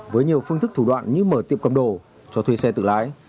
với nhiều phương thức thủ đoạn như mở tiệm cầm đồ cho thuê xe tự lái